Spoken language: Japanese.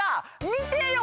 見てよ！